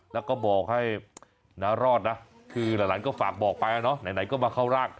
แล้วก็บอกให้น้ารอดนะคือหลานก็ฝากบอกไปเนาะไหนก็มาเข้าร่าง